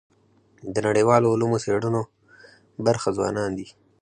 د نړیوالو علمي څېړنو برخه ځوانان دي.